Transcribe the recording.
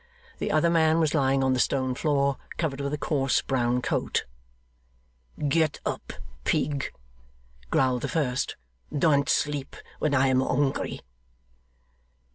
The other man was lying on the stone floor, covered with a coarse brown coat. 'Get up, pig!' growled the first. 'Don't sleep when I am hungry.